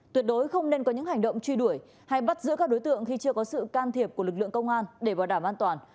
tuyệt đối không nên có những hành động truy đuổi hay bắt giữ các đối tượng khi chưa có sự can thiệp của lực lượng công an để bảo đảm an toàn